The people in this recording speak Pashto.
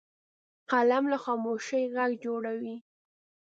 قلم له خاموشۍ غږ جوړوي